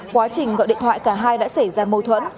quá trình gọi điện thoại cả hai đã xảy ra mâu thuẫn